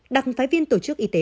đặc phái viên tổ chức y tế